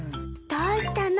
どうしたの？